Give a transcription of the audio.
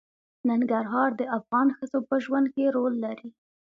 ننګرهار د افغان ښځو په ژوند کې رول لري.